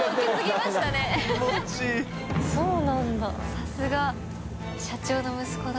さすが社長の息子だ。